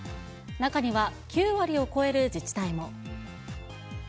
中には９割を超える自治体も。